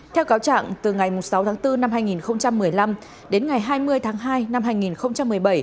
theo cáo trạng từ ngày sáu tháng bốn năm hai nghìn một mươi năm đến ngày hai mươi tháng hai năm hai nghìn một mươi bảy